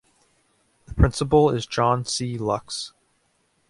The principal is John C. Lux.